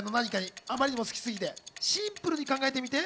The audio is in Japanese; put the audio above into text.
あまりにも好きすぎて、シンプルに考えてみて。